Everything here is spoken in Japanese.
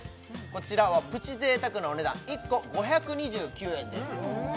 こちらはプチ贅沢なお値段１個５２９円です